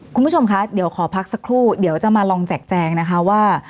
คุณผู้ชมคะเดี๋ยวขอพักสักครู่เดี๋ยวจะมาลองแจกแจงนะคะว่า